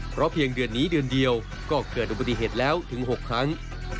เพราะเพียงเดือนนี้เดือนเดียวก็เกิดอุบัติเหตุแล้วถึง๖ครั้ง